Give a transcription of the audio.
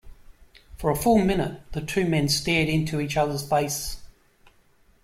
For a full minute the two men stared into each other's face.